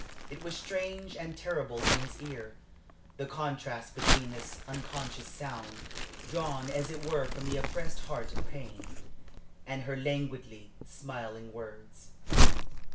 It was strange and terrible in his ear the contrast between this unconscious sound, drawn as it were from the oppressed heart of pain, and her languidly, smiling words.